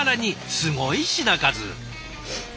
すごい品数。